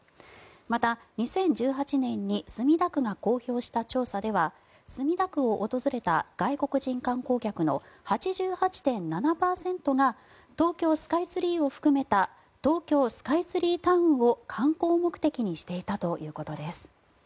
また２０１８年に墨田区が公表した調査では墨田区を訪れた外国人観光客の８８．７％が東京スカイツリーを含めた東京スカイツリータウンを観光目的にしていたということです。